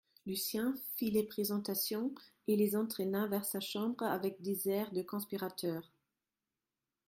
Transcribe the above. Lucien fit les présentations et les entraîna vers sa chambre avec des airs de conspirateurs.